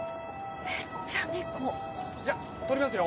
めっちゃ猫！じゃ撮りますよ？